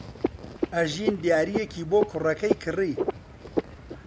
ئەژین دیارییەکی بۆ کوڕەکەی کڕی.